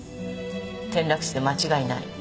転落死で間違いない。